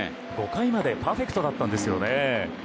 ５回までパーフェクトだったんですよね。